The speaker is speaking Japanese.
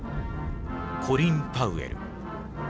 コリン・パウエル。